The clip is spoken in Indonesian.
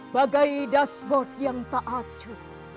bagai dasbot yang tak acur